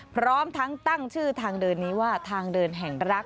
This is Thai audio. พร้อมทั้งตั้งชื่อทางเดินนี้ว่าทางเดินแห่งรัก